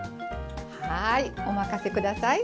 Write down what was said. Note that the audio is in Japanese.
はいお任せ下さい。